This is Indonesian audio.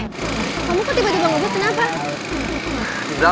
kamu kok tiba tiba ngebut kenapa